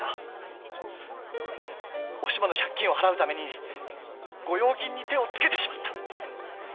おしまの借金を払うためにご用金に手をつけてしまった。